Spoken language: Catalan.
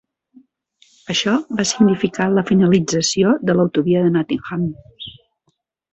Això va significar la finalització de l'autovia de Nottingham.